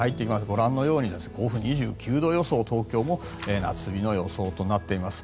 ご覧のように甲府、２９度予想東京も夏日の予想となっています。